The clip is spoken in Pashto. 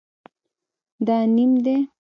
دا نیم دی